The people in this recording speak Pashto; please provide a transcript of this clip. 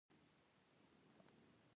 بد حالت تېرېدونکى دئ او توري شپې رؤڼا کېږي.